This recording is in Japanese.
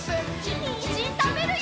にんじんたべるよ！